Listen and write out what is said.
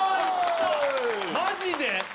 マジで？